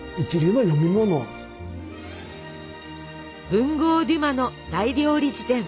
文豪デュマの「大料理事典」。